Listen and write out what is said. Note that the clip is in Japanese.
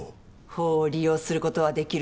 法を利用することはできる。